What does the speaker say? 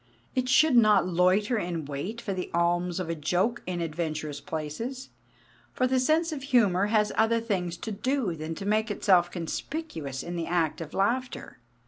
It should not loiter in wait for the alms of a joke in adventurous places. For the sense of humour has other things to do than to make itself conspicuous in the act of laughter.